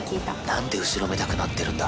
なんで後ろめたくなってるんだ？